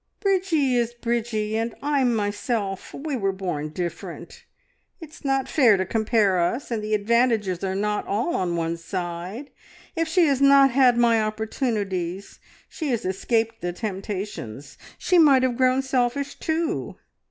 "Bridgie is Bridgie, and I'm myself; we were born different. It's not fair to compare us, and the advantages are not all on one side. If she has not had my opportunities, she has escaped the temptations; she might have grown selfish too.